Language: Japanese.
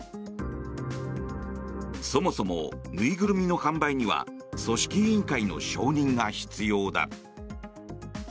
そもそも縫いぐるみの販売には組織委員会の承認が必要だ。